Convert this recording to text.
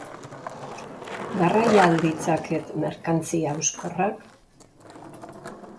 Garraia al ditzaket merkantzia hauskorrak?